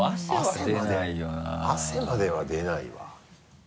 汗までは出ないわ。